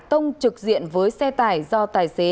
tông trực diện với xe tải do tài xế